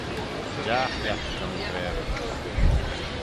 Stiagh lhiat ta mee gra rhyt.